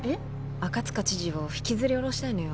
赤塚知事を引きずり下ろしたいのよ